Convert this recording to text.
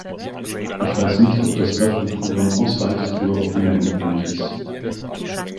Ich weiß nicht, ob das Daphne-Programm ausreicht oder ob mehr notwendig ist.